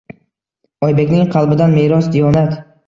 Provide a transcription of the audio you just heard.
Oybekning qalbidan meros diyonat.